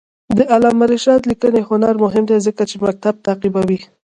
د علامه رشاد لیکنی هنر مهم دی ځکه چې مکتب تعقیبوي.